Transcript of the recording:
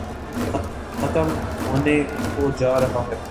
ختم ہونے کوجارہاہے۔